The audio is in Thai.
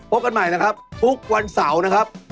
พบกันใหม่นะครับทุกวันเสาร์นะครับ